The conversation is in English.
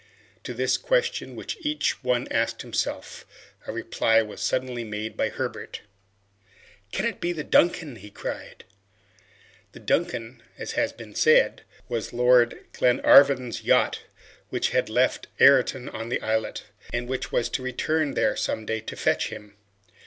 To this question, which each one asked himself, a reply was suddenly made by Herbert. "Can it be the 'Duncan'?" he cried. The "Duncan," as has been said, was Lord Glenarvan's yacht, which had left Ayrton on the islet, and which was to return there someday to fetch him.